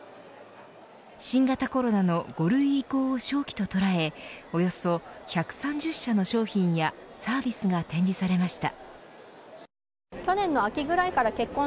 新型コロナの５類移行を商機と捉えおよそ１３０社の商品やサービスが展示されました。